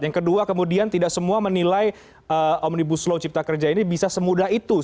yang kedua kemudian tidak semua menilai omnibus law cipta kerja ini bisa semudah itu